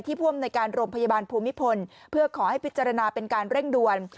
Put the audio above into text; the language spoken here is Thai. ผู้อำนวยการโรงพยาบาลภูมิพลเพื่อขอให้พิจารณาเป็นการเร่งด่วน